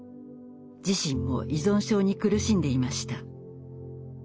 自身も依存症に苦しんでいました。